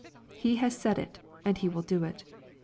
He has said it, and He will do it.